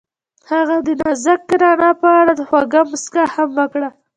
هغې د نازک رڼا په اړه خوږه موسکا هم وکړه.